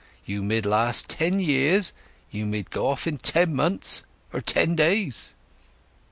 'You mid last ten years; you mid go off in ten months, or ten days.